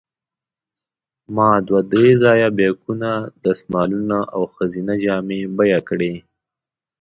ما دوه درې ځایه بیکونه، دستمالونه او ښځینه جامې بیه کړې.